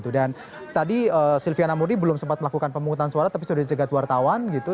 dan tadi sylvia namurni belum sempat melakukan pemungutan suara tapi sudah dijaga ke wartawan gitu